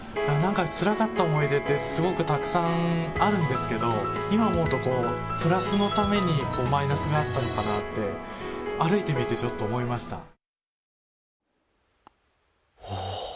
何かつらかった思い出ってすごくたくさんあるんですけど今思うとプラスのためにマイナスがあったのかなって歩いてみてちょっと思いました。